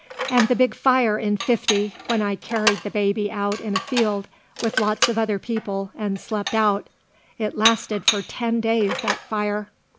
And the big fire in '50, when I carried the baby out in a field with lots of other people and slept out. It lasted for ten days that fire.